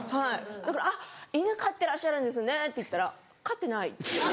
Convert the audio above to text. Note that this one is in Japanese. だから「犬飼ってらっしゃるんですね」って言ったら「飼ってない」って言って。